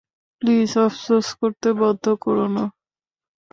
Please আফসোস করতে বাধ্য কোরো না।